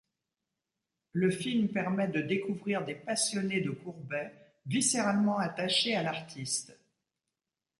Le film permet de découvrir des passionnées de Courbet, viscéralement attachés à l'artiste.